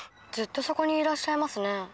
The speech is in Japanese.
ずっとそこにいらっしゃいますね。